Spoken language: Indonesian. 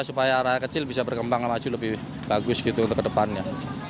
supaya rakyat kecil bisa berkembang maju lebih bagus gitu untuk kedepannya